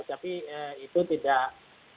tapi itu tidak